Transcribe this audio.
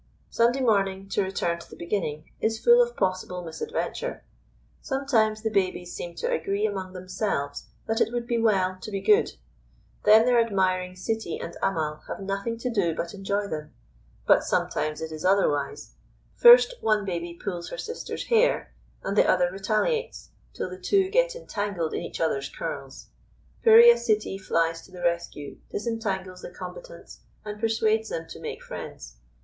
Sunday morning, to return to the beginning, is full of possible misadventure. Sometimes the babies seem to agree among themselves that it would be well to be good. Then their admiring Sittie and Ammal have nothing to do but enjoy them. But sometimes it is otherwise. First one baby pulls her sister's hair, and the other retaliates, till the two get entangled in each other's curls. Piria Sittie flies to the rescue, disentangles the combatants and persuades them to make friends.